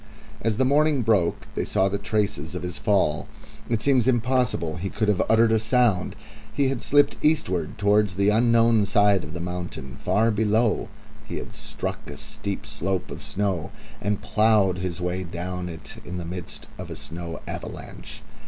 As the morning broke they saw the traces of his fall. It seems impossible he could have uttered a sound. He had slipped eastward towards the unknown side of the mountain; far below he had struck a steep slope of snow, and ploughed his way down it in the midst of a snow avalanche.